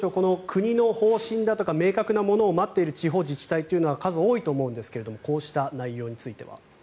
国の方針だとか明確なものを待っている地方自治体は数多いと思うんですがこうした内容については。